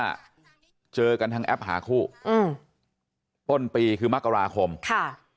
ฝั่งนี้บอกว่าเจอกันทางแอปหาคู่ป้นปีคือมกราคมค่ะ